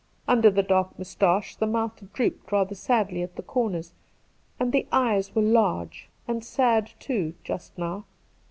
Under the dark moustache the mouth drooped rather sadly at the corners, and the eyes were large and sad too just now.